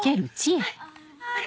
はい。